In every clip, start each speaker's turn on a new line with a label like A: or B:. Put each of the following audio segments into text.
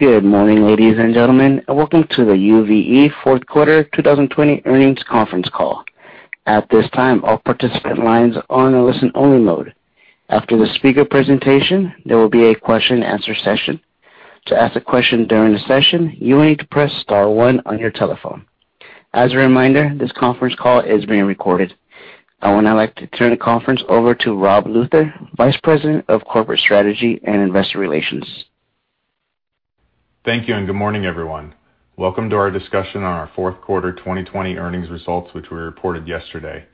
A: Good morning, ladies and gentlemen, and welcome to the UVE fourth quarter 2020 earnings conference call. At this time, all participant lines are on a listen-only mode. After the speaker presentation, there will be a question and answer session. To ask a question during the session, you will need to press star one on your telephone. As a reminder, this conference call is being recorded. I would now like to turn the conference over to Rob Luther, Vice President of Corporate Strategy and Investor Relations.
B: Thank you. Good morning, everyone. Welcome to our discussion on our fourth quarter 2020 earnings results, which were reported yesterday.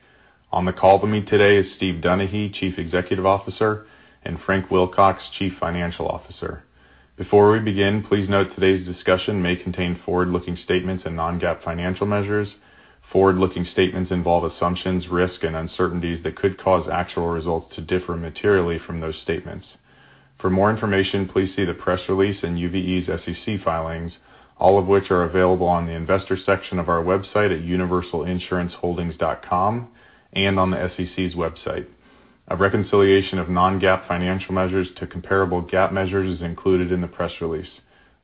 B: On the call with me today is Steve Donaghy, Chief Executive Officer, and Frank Wilcox, Chief Financial Officer. Before we begin, please note today's discussion may contain forward-looking statements and non-GAAP financial measures. Forward-looking statements involve assumptions, risks, and uncertainties that could cause actual results to differ materially from those statements. For more information, please see the press release and UVE's SEC filings, all of which are available on the investor section of our website at universalinsuranceholdings.com and on the SEC's website. A reconciliation of non-GAAP financial measures to comparable GAAP measures is included in the press release.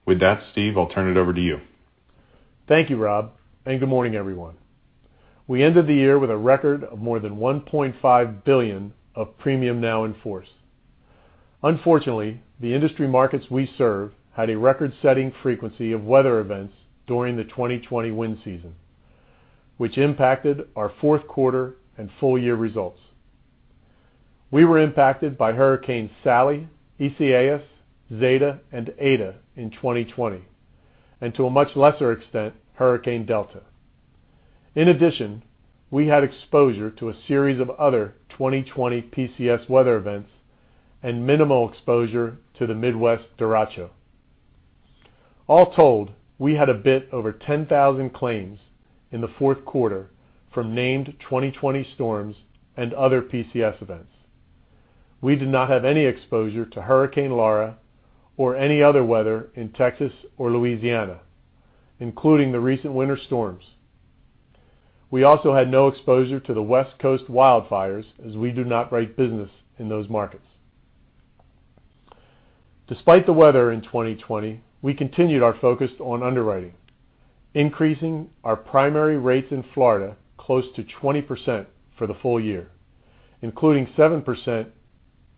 B: With that, Steve, I'll turn it over to you.
C: Thank you, Rob. Good morning, everyone. We ended the year with a record of more than $1.5 billion of premium now in force. Unfortunately, the industry markets we serve had a record-setting frequency of weather events during the 2020 wind season, which impacted our fourth quarter and full-year results. We were impacted by Hurricane Sally, Eta, Zeta, and Eta in 2020, and to a much lesser extent, Hurricane Delta. In addition, we had exposure to a series of other 2020 PCS weather events and minimal exposure to the Midwest derecho. All told, we had a bit over 10,000 claims in the fourth quarter from named 2020 storms and other PCS events. We did not have any exposure to Hurricane Laura or any other weather in Texas or Louisiana, including the recent winter storms. We also had no exposure to the West Coast wildfires as we do not write business in those markets. Despite the weather in 2020, we continued our focus on underwriting, increasing our primary rates in Florida close to 20% for the full year, including 7%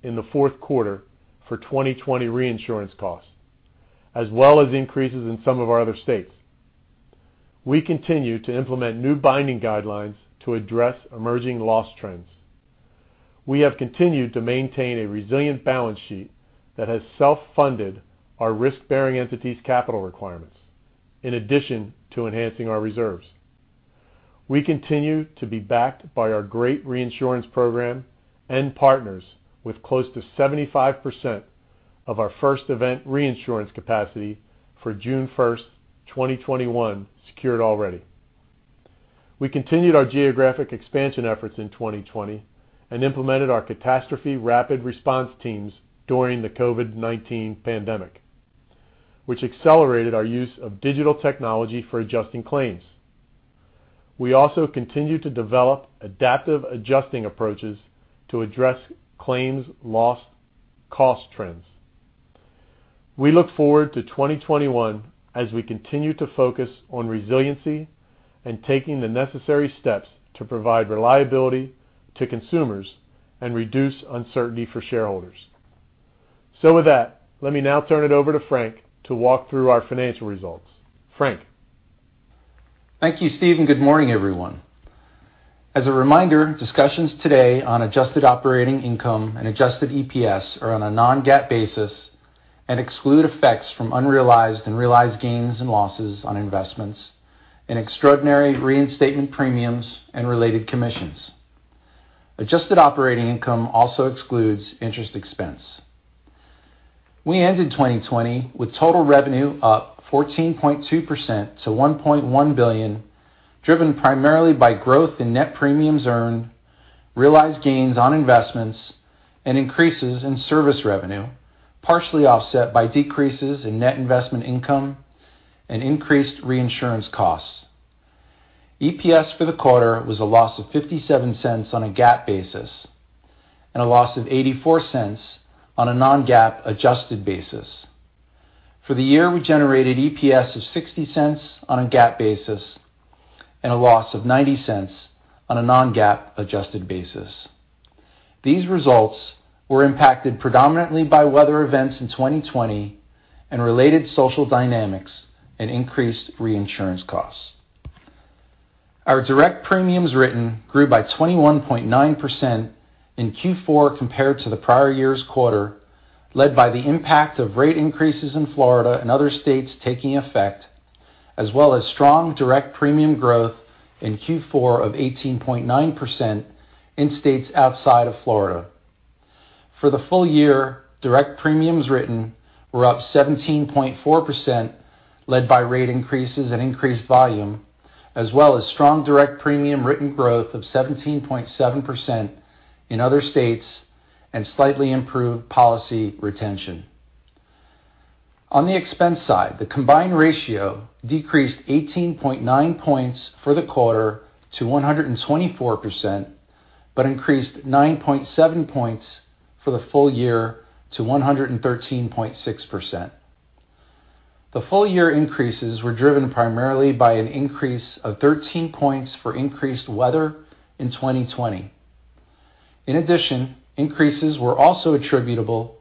C: in the fourth quarter for 2020 reinsurance costs, as well as increases in some of our other states. We continue to implement new binding guidelines to address emerging loss trends. We have continued to maintain a resilient balance sheet that has self-funded our risk-bearing entities' capital requirements. In addition to enhancing our reserves, we continue to be backed by our great reinsurance program and partners with close to 75% of our first event reinsurance capacity for June 1st, 2021, secured already. We continued our geographic expansion efforts in 2020 and implemented our catastrophe rapid response teams during the COVID-19 pandemic, which accelerated our use of digital technology for adjusting claims. We also continue to develop adaptive adjusting approaches to address claims loss cost trends. We look forward to 2021 as we continue to focus on resiliency and taking the necessary steps to provide reliability to consumers and reduce uncertainty for shareholders. With that, let me now turn it over to Frank to walk through our financial results. Frank.
D: Thank you, Steve, and good morning, everyone. As a reminder, discussions today on adjusted operating income and adjusted EPS are on a non-GAAP basis and exclude effects from unrealized and realized gains and losses on investments and extraordinary reinstatement premiums and related commissions. Adjusted operating income also excludes interest expense. We ended 2020 with total revenue up 14.2% to $1.1 billion, driven primarily by growth in net premiums earned, realized gains on investments, and increases in service revenue, partially offset by decreases in net investment income and increased reinsurance costs. EPS for the quarter was a loss of $0.57 on a GAAP basis and a loss of $0.84 on a non-GAAP adjusted basis. For the year, we generated EPS of $0.60 on a GAAP basis and a loss of $0.90 on a non-GAAP adjusted basis. These results were impacted predominantly by weather events in 2020 and related social dynamics and increased reinsurance costs. Our direct premiums written grew by 21.9% in Q4 compared to the prior year's quarter, led by the impact of rate increases in Florida and other states taking effect, as well as strong direct premium growth in Q4 of 18.9% in states outside of Florida. For the full year, direct premiums written were up 17.4%, led by rate increases and increased volume, as well as strong direct premium written growth of 17.7% in other states and slightly improved policy retention. On the expense side, the combined ratio decreased 18.9 points for the quarter to 124% increased 9.7 points for the full year to 113.6%. The full year increases were driven primarily by an increase of 13 points for increased weather in 2020. In addition, increases were also attributable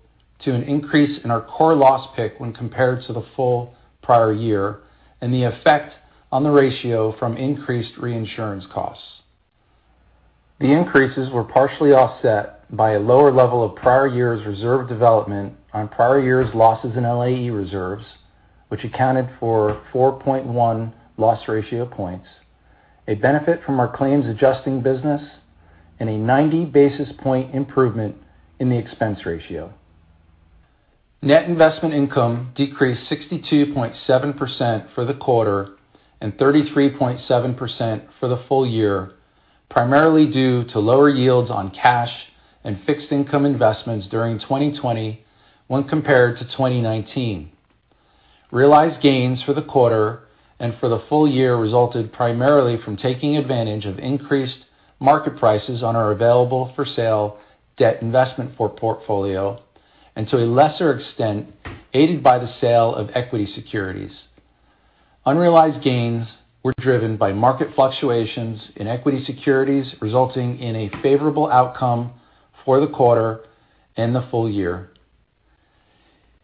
D: to an increase in our core loss pick when compared to the full prior year, and the effect on the ratio from increased reinsurance costs. The increases were partially offset by a lower level of prior year's reserve development on prior year's losses in LAE reserves, which accounted for 4.1 loss ratio points, a benefit from our claims adjusting business, and a 90 basis point improvement in the expense ratio. Net investment income decreased 62.7% for the quarter and 33.7% for the full year, primarily due to lower yields on cash and fixed income investments during 2020 when compared to 2019. Realized gains for the quarter and for the full year resulted primarily from taking advantage of increased market prices on our available-for-sale debt investment for portfolio, and to a lesser extent, aided by the sale of equity securities. Unrealized gains were driven by market fluctuations in equity securities resulting in a favorable outcome for the quarter and the full year.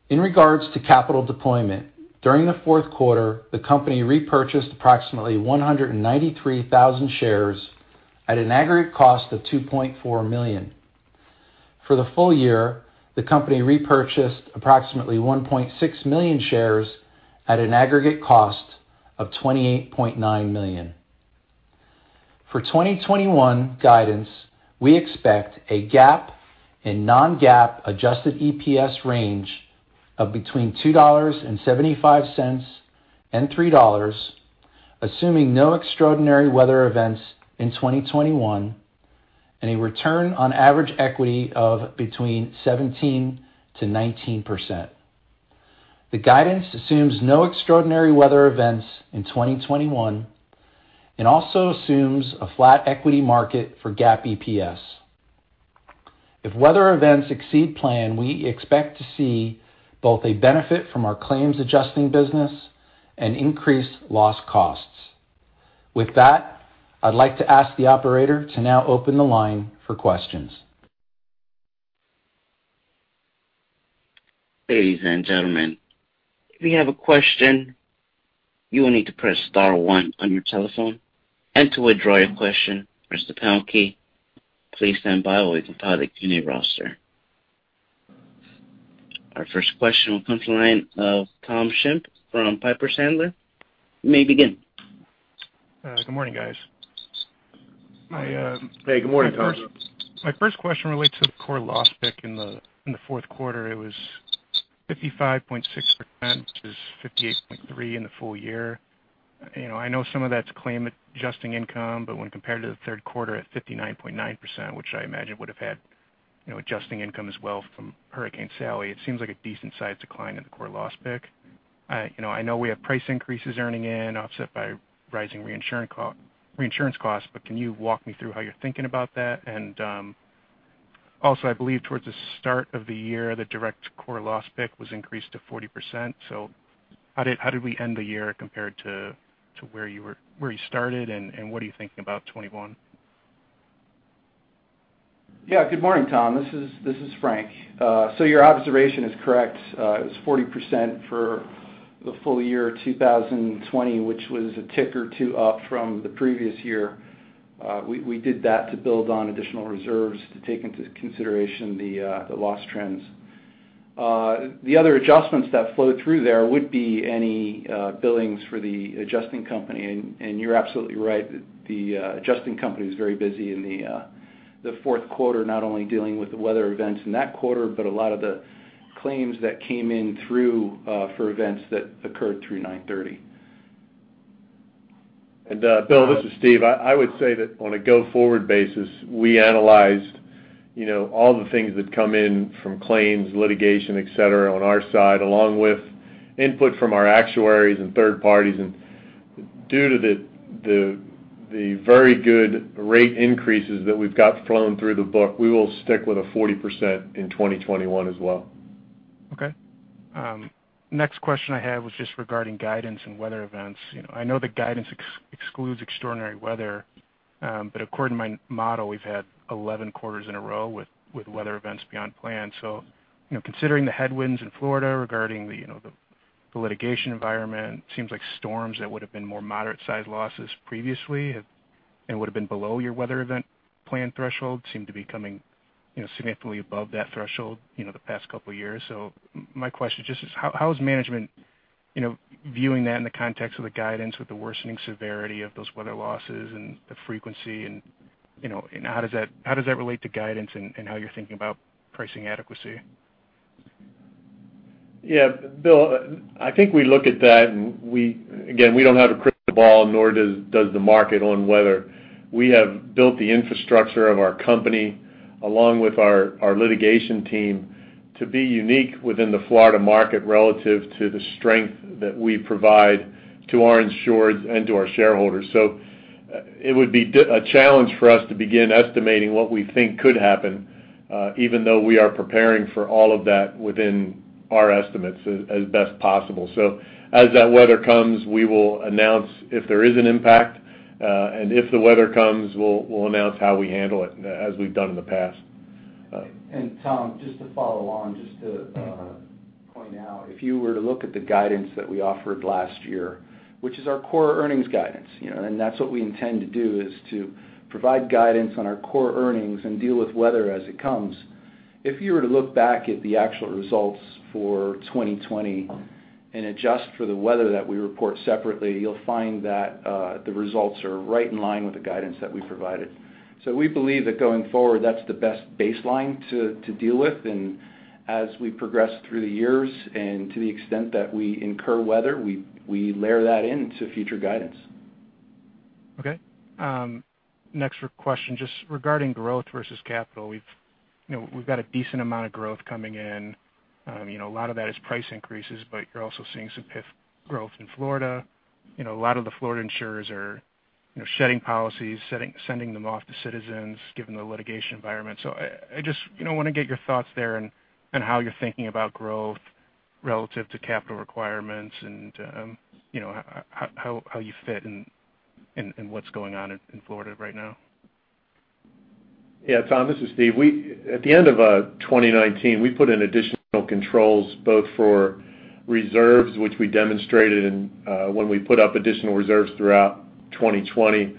D: In regards to capital deployment, during the fourth quarter, the company repurchased approximately 193,000 shares at an aggregate cost of $2.4 million. For the full year, the company repurchased approximately $1.6 million shares at an aggregate cost of $28.9 million. For 2021 guidance, we expect a GAAP and non-GAAP adjusted EPS range of between $2.75 and $3, assuming no extraordinary weather events in 2021, and a return on average equity of between 17%-19%. The guidance assumes no extraordinary weather events in 2021, and also assumes a flat equity market for GAAP EPS. If weather events exceed plan, we expect to see both a benefit from our claims adjusting business and increased loss costs. With that, I'd like to ask the operator to now open the line for questions.
A: Ladies and gentlemen, if you have a question, you will need to press star one on your telephone, and to withdraw your question, press the pound key. Please stand by while we compile the queue roster. Our first question will come from the line of Tom Schimpf from Piper Sandler. You may begin.
E: Good morning, guys.
D: Good morning, Tom.
E: My first question relates to the core loss pick in the fourth quarter. It was 55.6%, which is 58.3% in the full year. I know some of that's claim adjusting income, but when compared to the third quarter at 59.9%, which I imagine would have had adjusting income as well from Hurricane Sally, it seems like a decent-sized decline in the core loss pick. I know we have price increases earning in offset by rising reinsurance costs. Can you walk me through how you're thinking about that? Also, I believe towards the start of the year, the direct core loss pick was increased to 40%. How did we end the year compared to where you started and what are you thinking about 2021?
D: Good morning, Tom. This is Frank. Your observation is correct. It was 40% for the full year 2020, which was a tick or two up from the previous year. We did that to build on additional reserves to take into consideration the loss trends. The other adjustments that flow through there would be any billings for the adjusting company. You're absolutely right. The adjusting company was very busy in the fourth quarter, not only dealing with the weather events in that quarter, but a lot of the claims that came in through for events that occurred through 9/30.
C: Bill, this is Steve. I would say that on a go-forward basis, we analyzed all the things that come in from claims, litigation, et cetera, on our side, along with input from our actuaries and third parties. Due to the very good rate increases that we've got flowing through the book, we will stick with a 40% in 2021 as well.
E: Okay. Next question I had was just regarding guidance and weather events. I know the guidance excludes extraordinary weather. According to my model, we've had 11 quarters in a row with weather events beyond plan. Considering the headwinds in Florida regarding the litigation environment, seems like storms that would have been more moderate-sized losses previously and would have been below your weather event plan threshold seem to be coming significantly above that threshold the past couple of years. My question just is, how is management viewing that in the context of the guidance with the worsening severity of those weather losses and the frequency and how does that relate to guidance and how you're thinking about pricing adequacy?
C: Yeah, Bill, I think we look at that and again, we don't have a crystal ball, nor does the market on weather. We have built the infrastructure of our company along with our litigation team to be unique within the Florida market relative to the strength that we provide to our insureds and to our shareholders. It would be a challenge for us to begin estimating what we think could happen, even though we are preparing for all of that within our estimates as best possible. As that weather comes, we will announce if there is an impact, and if the weather comes, we'll announce how we handle it, as we've done in the past.
D: Tom, just to follow on, just to point out, if you were to look at the guidance that we offered last year, which is our core earnings guidance. That's what we intend to do, is to provide guidance on our core earnings and deal with weather as it comes. If you were to look back at the actual results for 2020 and adjust for the weather that we report separately, you'll find that the results are right in line with the guidance that we provided. We believe that going forward, that's the best baseline to deal with. As we progress through the years and to the extent that we incur weather, we layer that into future guidance.
E: Okay. Next question. Just regarding growth versus capital. We've got a decent amount of growth coming in. A lot of that is price increases, but you're also seeing some PIF growth in Florida. A lot of the Florida insurers are shedding policies, sending them off to Citizens, given the litigation environment. I just want to get your thoughts there and how you're thinking about growth relative to capital requirements and how you fit in what's going on in Florida right now.
C: Tom, this is Steve. At the end of 2019, we put in additional controls, both for reserves, which we demonstrated when we put up additional reserves throughout 2020,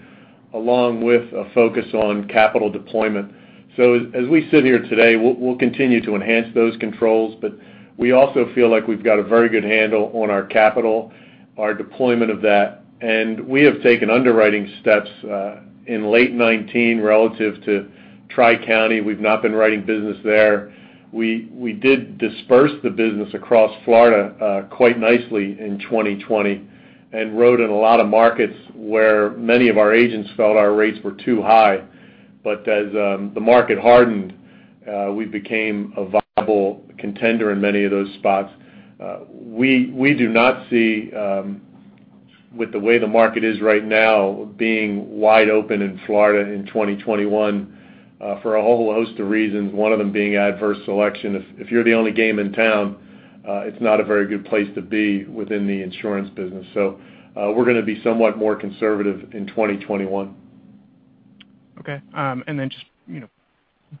C: along with a focus on capital deployment. As we sit here today, we'll continue to enhance those controls, we also feel like we've got a very good handle on our capital, our deployment of that. We have taken underwriting steps in late 2019 relative to Tri-County. We've not been writing business there. We did disperse the business across Florida quite nicely in 2020 and rode in a lot of markets where many of our agents felt our rates were too high. As the market hardened, we became a viable contender in many of those spots. We do not see, with the way the market is right now, being wide open in Florida in 2021 for a whole host of reasons, one of them being adverse selection. If you're the only game in town, it's not a very good place to be within the insurance business. We're going to be somewhat more conservative in 2021.
E: Okay. Just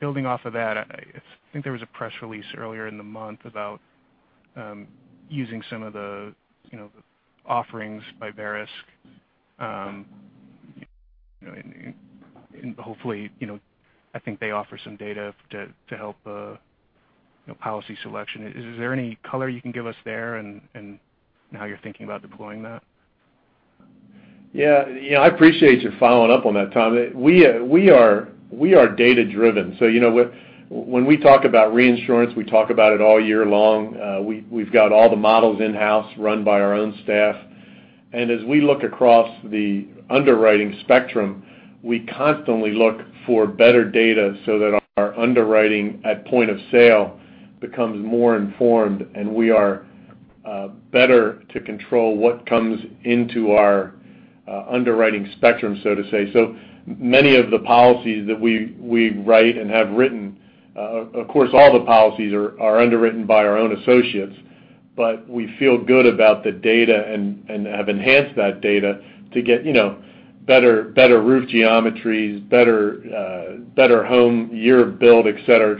E: building off of that, I think there was a press release earlier in the month about using some of the offerings by Verisk. Hopefully, I think they offer some data to help policy selection. Is there any color you can give us there and how you're thinking about deploying that?
C: Yeah. I appreciate you following up on that, Tom. We are data-driven. When we talk about reinsurance, we talk about it all year long. We've got all the models in-house run by our own staff. As we look across the underwriting spectrum, we constantly look for better data so that our underwriting at point of sale becomes more informed and we are better to control what comes into our underwriting spectrum, so to say. Many of the policies that we write and have written, of course, all the policies are underwritten by our own associates, but we feel good about the data and have enhanced that data to get better roof geometries, better home year of build, et cetera.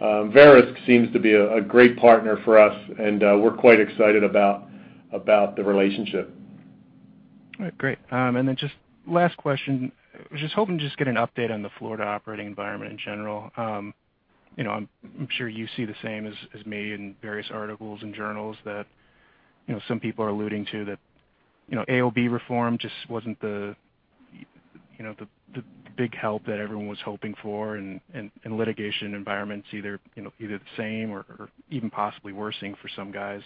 C: Verisk seems to be a great partner for us, we're quite excited about the relationship.
E: All right, great. Just last question. I was just hoping to just get an update on the Florida operating environment in general. I'm sure you see the same as me in various articles and journals that some people are alluding to that AOB reform just wasn't the big help that everyone was hoping for, and litigation environment's either the same or even possibly worsening for some guys.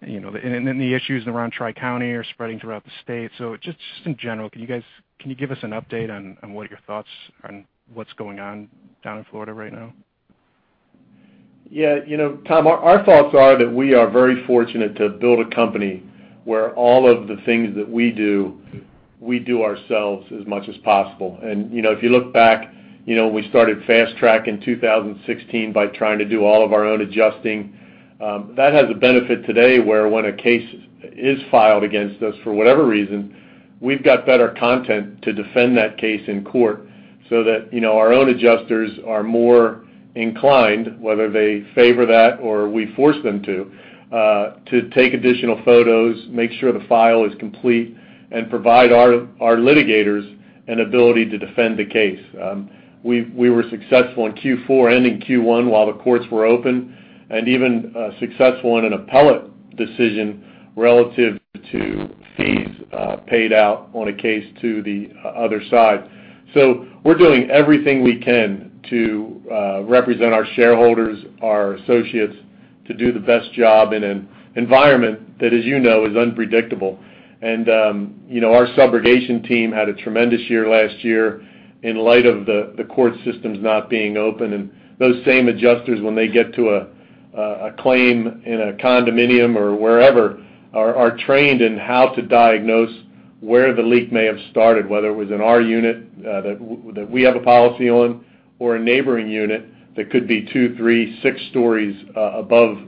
E: The issues around Tri-County are spreading throughout the state. Just in general, can you guys give us an update on what are your thoughts on what's going on down in Florida right now?
C: Yeah, Tom, our thoughts are that we are very fortunate to build a company where all of the things that we do, we do ourselves as much as possible. If you look back, we started Fast Track in 2016 by trying to do all of our own adjusting. That has a benefit today where when a case is filed against us, for whatever reason, we've got better content to defend that case in court so that our own adjusters are more inclined, whether they favor that or we force them to take additional photos, make sure the file is complete, and provide our litigators an ability to defend the case. We were successful in Q4 and in Q1 while the courts were open, even successful in an appellate decision relative to fees paid out on a case to the other side. We're doing everything we can to represent our shareholders, our associates to do the best job in an environment that, as you know, is unpredictable. Our subrogation team had a tremendous year last year in light of the court systems not being open. Those same adjusters, when they get to a claim in a condominium or wherever, are trained in how to diagnose where the leak may have started, whether it was in our unit that we have a policy on, or a neighboring unit that could be two, three, six stories above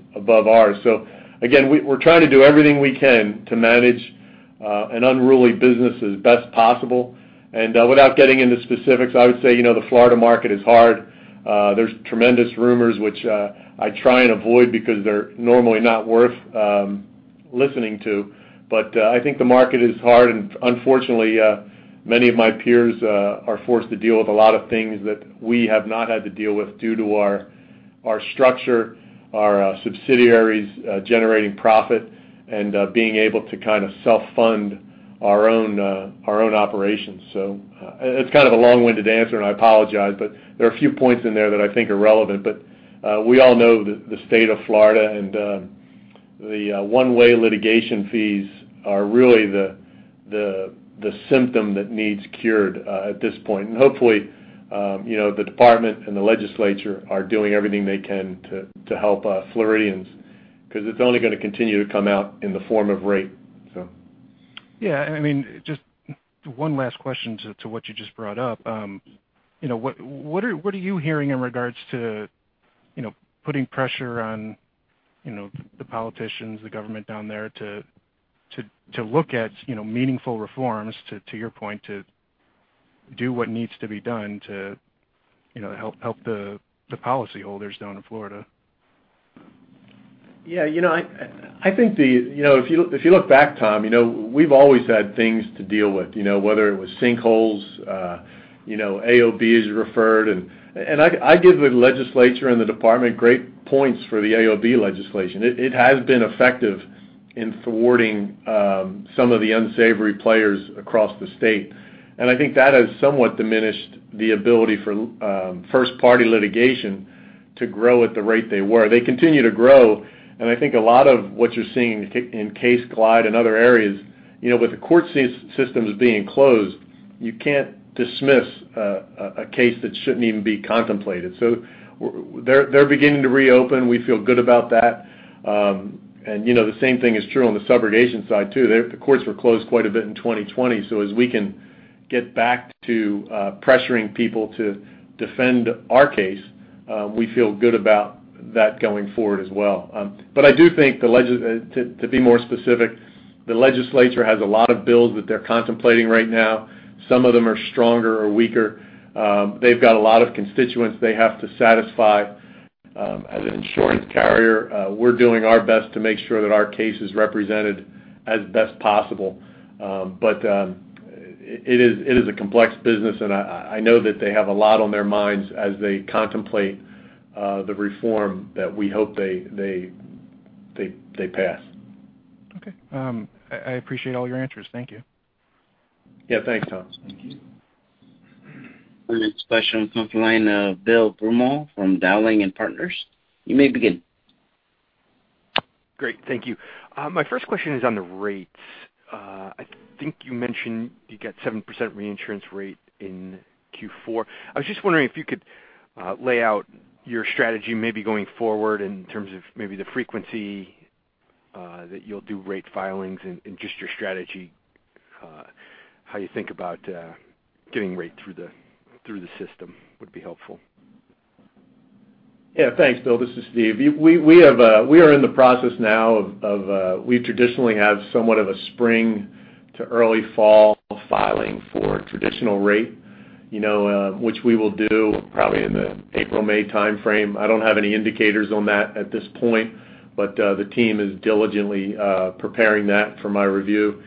C: ours. Again, we're trying to do everything we can to manage an unruly business as best possible. Without getting into specifics, I would say the Florida market is hard. There's tremendous rumors, which I try and avoid because they're normally not worth listening to. I think the market is hard, and unfortunately, many of my peers are forced to deal with a lot of things that we have not had to deal with due to our structure, our subsidiaries generating profit, and being able to kind of self-fund our own operations. It's kind of a long-winded answer, and I apologize, but there are a few points in there that I think are relevant. We all know that the state of Florida and the one-way litigation fees are really the symptom that needs cured at this point. Hopefully, the department and the legislature are doing everything they can to help Floridians, because it's only going to continue to come out in the form of rate.
E: Yeah. Just one last question to what you just brought up. What are you hearing in regards to putting pressure on the politicians, the government down there to look at meaningful reforms, to your point, to do what needs to be done to help the policyholders down in Florida?
C: Yeah. I think if you look back, Tom, we've always had things to deal with, whether it was sinkholes, AOB as you referred. I give the legislature and the department great points for the AOB legislation. It has been effective in thwarting some of the unsavory players across the state. I think that has somewhat diminished the ability for first-party litigation to grow at the rate they were. They continue to grow, and I think a lot of what you're seeing in CaseGlide in other areas, with the court systems being closed, you can't dismiss a case that shouldn't even be contemplated. They're beginning to reopen. We feel good about that. The same thing is true on the subrogation side, too. The courts were closed quite a bit in 2020. As we can get back to pressuring people to defend our case, we feel good about that going forward as well. I do think, to be more specific, the legislature has a lot of bills that they're contemplating right now. Some of them are stronger or weaker. They've got a lot of constituents they have to satisfy. As an insurance carrier, we're doing our best to make sure that our case is represented as best possible. It is a complex business, and I know that they have a lot on their minds as they contemplate the reform that we hope they pass.
E: Okay. I appreciate all your answers. Thank you.
C: Yeah. Thanks, Tom.
A: Thank you. Our next question comes from the line of Bill Brummond from Dowling & Partners. You may begin.
F: Great. Thank you. My first question is on the rates. I think you mentioned you got 7% reinsurance rate in Q4. I was just wondering if you could lay out your strategy, maybe going forward, in terms of maybe the frequency that you'll do rate filings and just your strategy, how you think about getting rate through the system, would be helpful.
C: Yeah. Thanks, Bill. This is Steve. We are in the process now. We traditionally have somewhat of a spring to early fall filing for traditional rate, which we will do probably in the April, May timeframe. I don't have any indicators on that at this point, but the team is diligently preparing that for my review.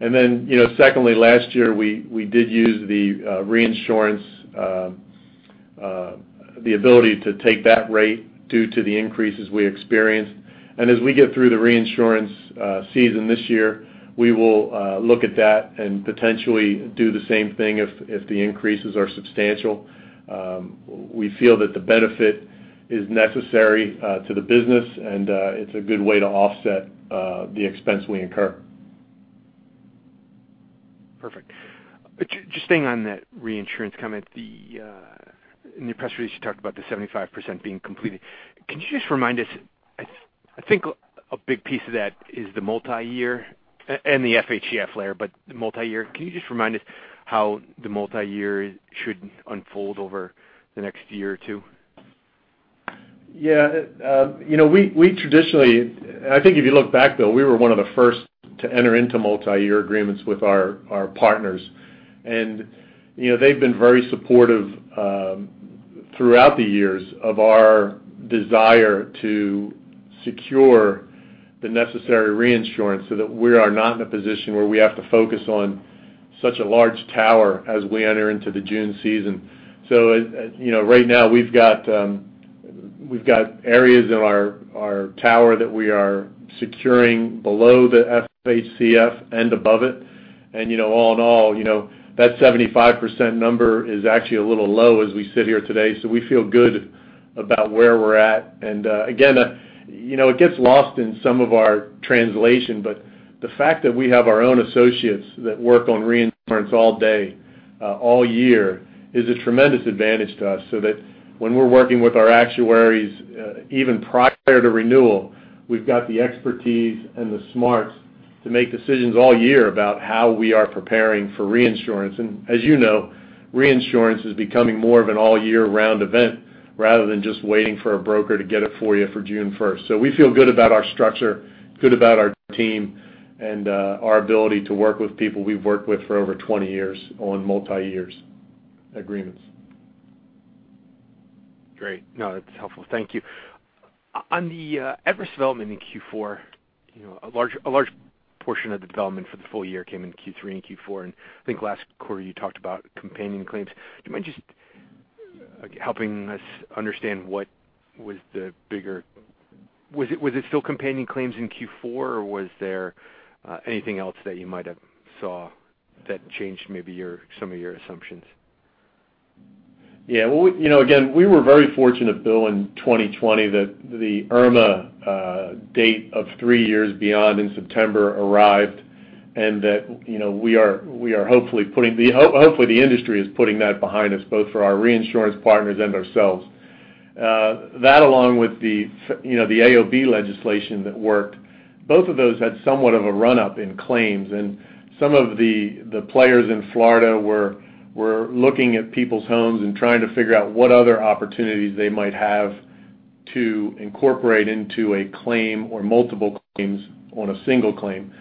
C: Secondly, last year, we did use the reinsurance, the ability to take that rate due to the increases we experienced. As we get through the reinsurance season this year, we will look at that and potentially do the same thing if the increases are substantial. We feel that the benefit is necessary to the business, and it's a good way to offset the expense we incur.
F: Perfect. Just staying on that reinsurance comment, in your press release, you talked about the 75% being completed. Can you just remind us, I think a big piece of that is the multi-year and the FHCF layer, but the multi-year. Can you just remind us how the multi-year should unfold over the next year or two?
C: Yeah. We traditionally, I think if you look back, though, we were one of the first to enter into multi-year agreements with our partners. They've been very supportive throughout the years of our desire to secure the necessary reinsurance so that we are not in a position where we have to focus on such a large tower as we enter into the June season. Right now, we've got areas in our tower that we are securing below the FHCF and above it. All in all, that 75% number is actually a little low as we sit here today, so we feel good about where we're at. Again, it gets lost in some of our translation, but the fact that we have our own associates that work on reinsurance all day, all year is a tremendous advantage to us, so that when we're working with our actuaries, even prior to renewal, we've got the expertise and the smarts to make decisions all year about how we are preparing for reinsurance. As you know, reinsurance is becoming more of an all year round event rather than just waiting for a broker to get it for you for June 1st. We feel good about our structure, good about our team, and our ability to work with people we've worked with for over 20 years on multi-years agreements.
F: Great. No, that's helpful. Thank you. On the adverse development in Q4, a large portion of development for the full year came in Q3 and Q4, and I think last quarter you talked about companion claims. Do you mind just helping us understand what was the bigger Was it still companion claims in Q4, or was there anything else that you might have saw that changed maybe some of your assumptions?
C: Yeah. Again, we were very fortunate, Bill, in 2020 that the Irma date of three years beyond in September arrived. Hopefully the industry is putting that behind us, both for our reinsurance partners and ourselves. That, along with the AOB legislation that worked, both of those had somewhat of a run-up in claims. Some of the players in Florida were looking at people's homes and trying to figure out what other opportunities they might have to incorporate into a claim or multiple claims on a single claim.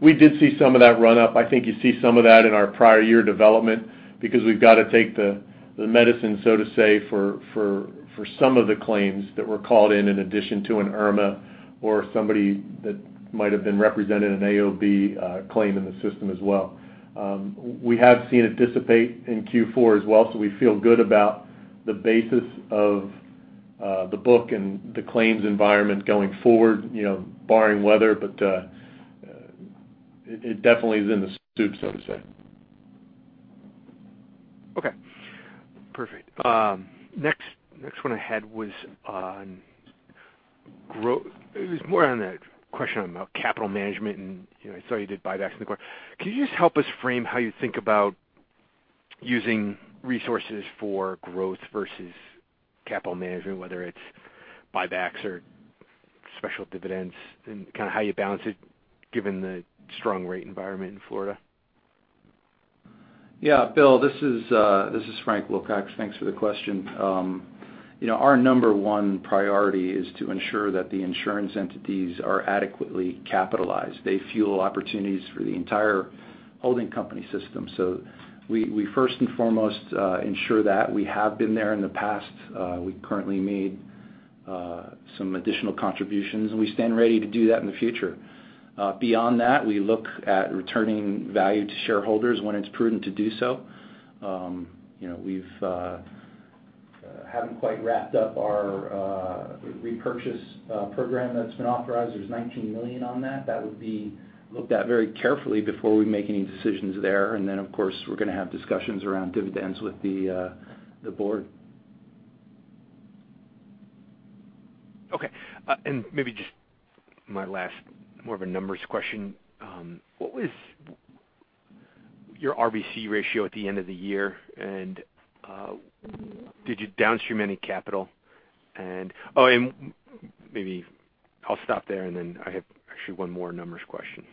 C: We did see some of that run-up. I think you see some of that in our prior year development because we've got to take the medicine, so to say, for some of the claims that were called in addition to an Irma or somebody that might have been represented an AOB claim in the system as well. We have seen it dissipate in Q4 as well. We feel good about the basis of the book and the claims environment going forward barring weather, but it definitely is in the stoop, so to say.
F: Okay, perfect. Next one I had was more on a question about capital management. I saw you did buybacks in the quarter. Can you just help us frame how you think about using resources for growth versus capital management, whether it's buybacks or special dividends, and how you balance it given the strong rate environment in Florida?
D: Yeah. Bill, this is Frank Wilcox. Thanks for the question. Our number one priority is to ensure that the insurance entities are adequately capitalized. They fuel opportunities for the entire holding company system. We first and foremost ensure that. We have been there in the past. We currently made some additional contributions. We stand ready to do that in the future. Beyond that, we look at returning value to shareholders when it's prudent to do so. We haven't quite wrapped up our repurchase program that's been authorized. There's $19 million on that. That would be looked at very carefully before we make any decisions there. Then, of course, we're going to have discussions around dividends with the board.
F: Okay. Maybe just my last more of a numbers question. What was your RBC ratio at the end of the year, and did you downstream any capital? Maybe I'll stop there, then I have actually one more numbers question.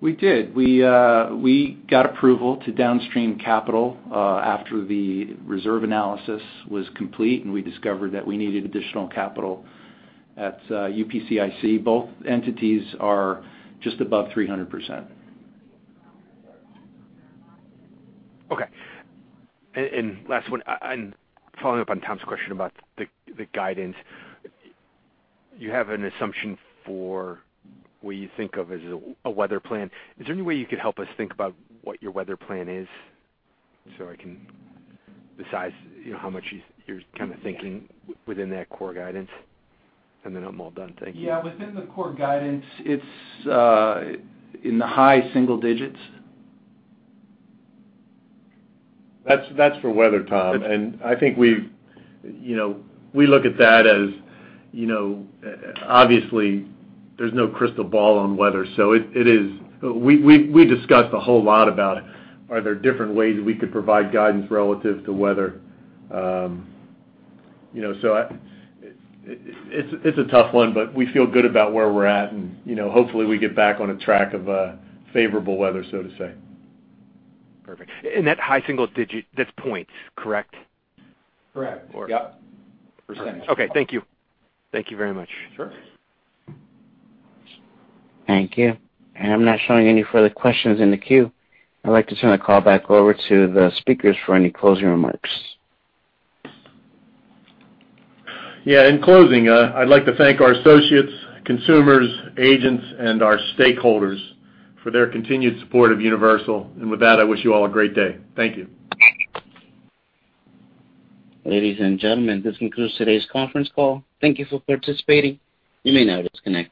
D: We did. We got approval to downstream capital after the reserve analysis was complete, and we discovered that we needed additional capital at UPCIC. Both entities are just above 300%.
F: Okay. Last one, following up on Tom's question about the guidance. You have an assumption for what you think of as a weather plan. Is there any way you could help us think about what your weather plan is so I can decide how much you're kind of thinking within that core guidance? Then I'm all done. Thank you.
D: Yeah. Within the core guidance, it's in the high single digits.
C: That's for weather, Tom. I think we look at that as obviously there's no crystal ball on weather. We discussed a whole lot about are there different ways we could provide guidance relative to weather? It's a tough one, but we feel good about where we're at, and hopefully we get back on a track of favorable weather, so to say.
F: Perfect. That high single digit, that's points, correct?
D: Correct. Yep.
C: Percentage.
F: Okay. Thank you. Thank you very much.
C: Sure.
A: Thank you. I'm not showing any further questions in the queue. I'd like to turn the call back over to the speakers for any closing remarks.
C: Yeah. In closing, I'd like to thank our associates, consumers, agents, and our stakeholders for their continued support of Universal. With that, I wish you all a great day. Thank you.
A: Ladies and gentlemen, this concludes today's conference call. Thank you for participating. You may now disconnect.